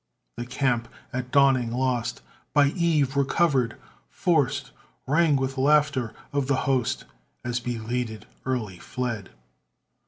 The camp (at dawning lost) By eve, recovered forced, Rang with laughter of the host As belated Early fled.